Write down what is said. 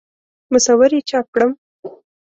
مصور یې چاپ کړم.